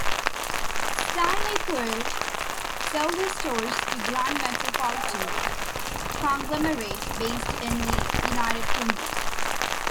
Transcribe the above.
Stanley Pearle sold his stores to Grand Metropolitan conglomerate based in the United Kingdom.